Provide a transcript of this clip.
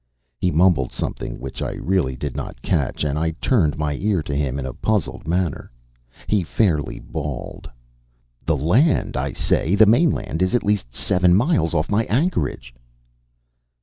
He mumbled something which I really did not catch, and I turned my ear to him in a puzzled manner. He fairly bawled: "The land I say, the mainland is at least seven miles off my anchorage."